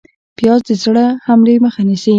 پیاز د زړه حملې مخه نیسي